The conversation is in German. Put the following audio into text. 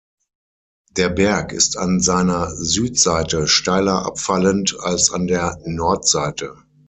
Der Berg ist an seiner Südseite steiler abfallend als an der Nordseite.